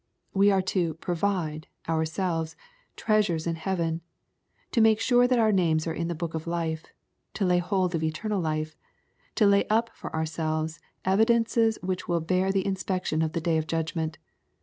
We are to provide ourselves treasures in heaven, — to make sure that our names are in the book of life, — to lay hold of eternal life, — to lay up for our selves evidences which will bear the inspection of the day ^f judgment.